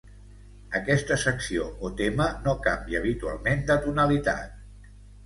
Aquesta secció o tema, no canvia habitualment de tonalitat.